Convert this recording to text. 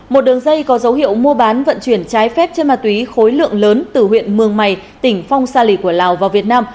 một đường dây có dấu hiệu mua bán vận chuyển trái phép trên ma túy khối lượng lớn từ huyện mường mày tỉnh phong sa lì của lào vào việt nam